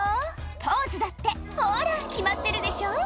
ポーズだってほら決まってるでしょ」